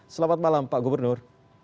selamat malam pak gubernur